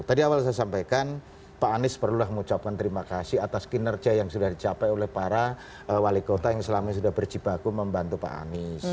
tadi awal saya sampaikan pak anies perlulah mengucapkan terima kasih atas kinerja yang sudah dicapai oleh para wali kota yang selama ini sudah berjibaku membantu pak anies